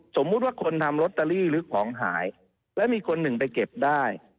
สมมุติว่าคนทำลอตเตอรี่หรือของหายแล้วมีคนหนึ่งไปเก็บได้